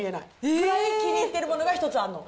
くらい、気に入っているものが一つあるの。